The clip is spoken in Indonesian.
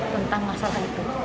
tentang masalah itu